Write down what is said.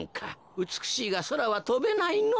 うつくしいがそらはとべないのぉ。